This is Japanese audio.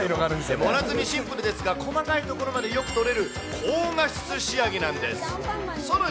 盛らずにシンプルですが、細かいところまでよく撮れる高画質仕上げなんです。